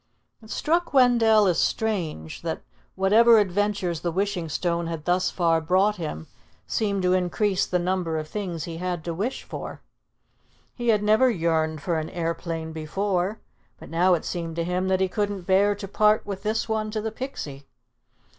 It struck Wendell as strange that, whatever adventures the Wishing Stone had thus far brought him, seemed to increase the number of things he had to wish for. He had never yearned for an aeroplane before, but now it seemed to him that he couldn't bear to part with this one to the Pixie.